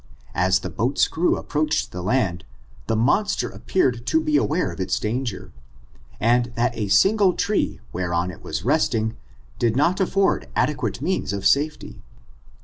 As the boat's crew approached the land, the monster appeared to be aware of its danger, and that a single tree, whereon it was resting, did not af ford adequate means of safety.